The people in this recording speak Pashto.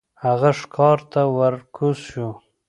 هغه ښکار ته ور کوز شو.